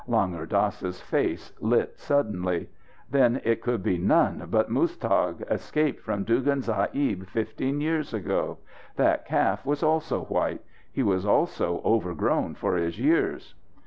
Langur Dass's face lit suddenly. "Then it could be none but Muztagh, escaped from Dugan Sahib fifteen years ago. That calf was also white. He was also overgrown for his years."